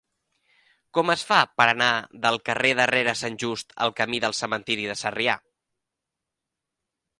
Com es fa per anar del carrer de Rere Sant Just al camí del Cementiri de Sarrià?